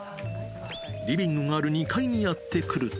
リビングがある２階にやって来ると。